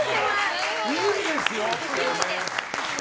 いいですよ！